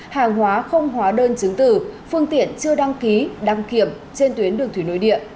hàng hóa không hóa đơn chứng tử phương tiện chưa đăng ký đăng kiểm trên tuyến đường thủy nội địa